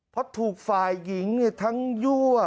เพราะถูกฝ่ายหญิงทั้งยั่ว